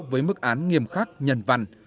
với mức án nghiêm khắc nhân văn